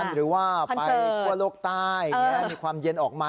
หรือว่าไปทั่วโลกใต้มีความเย็นออกมา